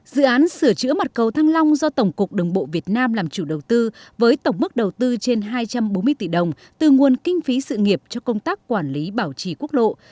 dự án sửa chữa mặt cầu thăng long do tổng cục đường bộ việt nam làm chủ đầu tư với tổng mức đầu tư trên hai trăm bốn mươi tỷ đồng từ nguồn kinh phí sự nghiệp cho công tác quản lý bảo trì quốc lộ